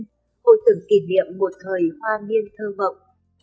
tôi từng kỷ niệm một thời hoa nghiêng thơm mộng